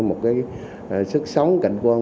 một cái sức sống cảnh quan